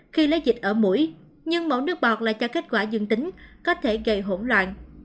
khi lấy dịch ở mũi nhưng mẫu nước bọt lại cho kết quả dương tính có thể gây hỗn loạn